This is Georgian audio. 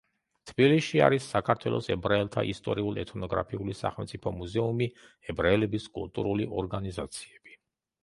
თბილისში არის საქართველოს ებრაელთა ისტორიულ-ეთნოგრაფიული სახელმწიფო მუზეუმი, ებრაელების კულტურული ორგანიზაციები.